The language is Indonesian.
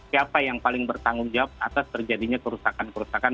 siapa yang paling bertanggung jawab atas terjadinya kerusakan kerusakan